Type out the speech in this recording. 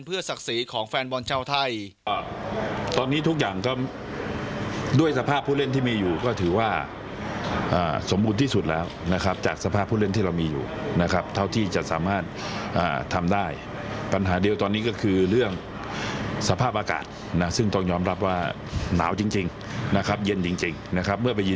เพื่อศักดิ์สีของแฟนบรรเจ้าไทย